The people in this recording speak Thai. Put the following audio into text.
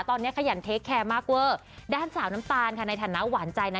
ตอนนี้ขยันเทคแคร์มากเวอร์ด้านสาวน้ำตาลค่ะในฐานะหวานใจนะ